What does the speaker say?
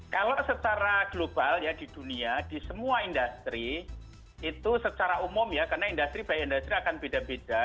kalau secara global ya di dunia di semua industri itu secara umum ya karena industri by industri akan beda beda